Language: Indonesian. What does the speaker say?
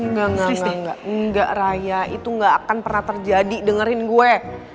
engga engga engga raya itu gak akan pernah terjadi dengerin gue